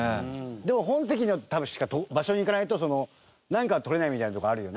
でも本籍によって多分場所に行かないとそのなんかは取れないみたいなとこあるよね。